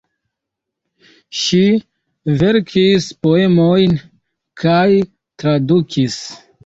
Ŝi verkis poemojn kaj tradukis.